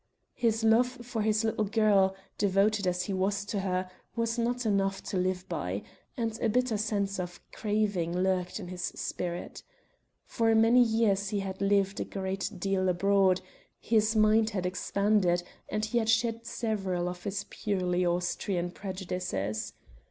His love for his little girl, devoted as he was to her, was not enough to live by, and a bitter sense of craving lurked in his spirit. For many years he had lived a great deal abroad; his mind had expanded and he had shed several of his purely Austrian prejudices.